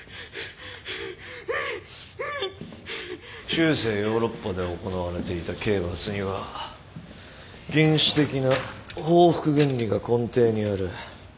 中世ヨーロッパで行われていた刑罰には原始的な報復原理が根底にある。